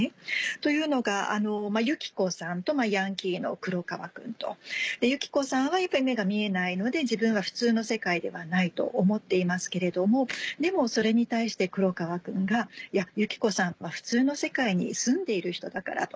というのがユキコさんとヤンキーの黒川君と。でユキコさんはやっぱり目が見えないので自分は普通の世界ではないと思っていますけれどもでもそれに対して黒川君が「ユキコさんは普通の世界に住んでいる人だから」と。